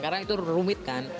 karena itu rumit kan